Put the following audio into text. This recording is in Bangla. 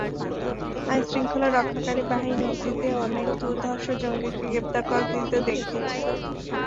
আইনশৃঙ্খলা রক্ষাকারী বাহিনী অতীতে অনেক দুর্ধর্ষ জঙ্গিকে গ্রেপ্তার করার কৃতিত্ব দেখিয়েছে।